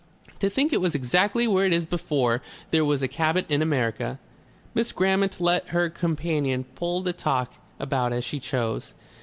"To think it was exactly where it is before there was a Cabot in America!" Miss Grammont let her companion pull the talk about as she chose.